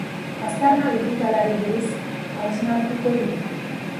Aztarna digitalari buruz hausnartuko dugu.